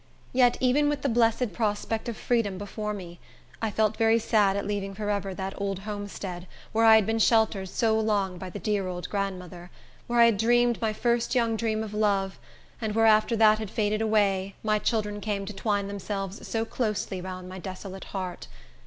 Yet, even with the blessed prospect of freedom before me, I felt very sad at leaving forever that old homestead, where I had been sheltered so long by the dear old grandmother; where I had dreamed my first young dream of love; and where, after that had faded away, my children came to twine themselves so closely round my desolate heart.